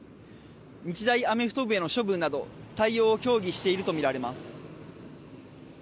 日大アメフト部への処分など対応を協議しているとみられます。